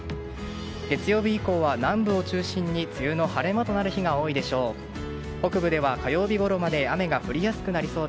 月曜日以降は南部を中心に梅雨の晴れ間となる日が多いでしょう。